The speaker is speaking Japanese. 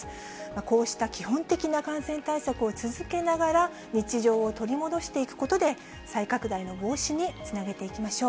こうした基本的な感染対策を続けながら、日常を取り戻していくことで、再拡大の防止につなげていきましょう。